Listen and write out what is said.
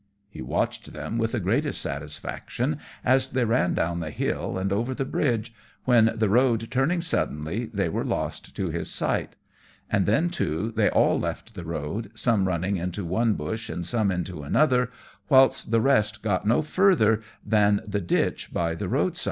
He watched them with the greatest satisfaction as they ran down the hill and over the bridge, when, the road turning suddenly, they were lost to his sight; and then, too, they all left the road, some running into one bush and some into another, whilst the rest got no further than the ditch by the roadside.